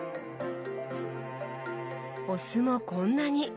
お酢もこんなに！